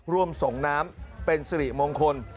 ร่วมส่งน้ำเป็นสิริมงคล